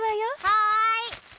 はい！